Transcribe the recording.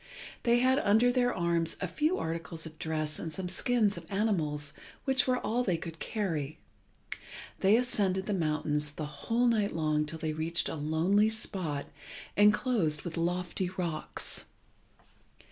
They had under their arms a few articles of dress and some skins of animals, which were all they could carry. They ascended the mountains the whole night long till they reached a lonely spot enclosed with lofty rocks.